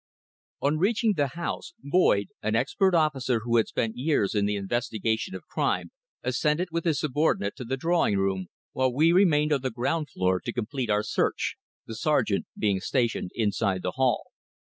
On reaching the house, Boyd, an expert officer who had spent years in the investigation of crime, ascended with his subordinate to the drawing room, while we remained on the ground floor to complete our search, the sergeant being stationed inside the hall.